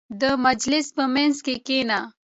• د مجلس په منځ کې کښېنه.